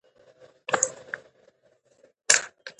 زور یو څپیزه کلمه ده.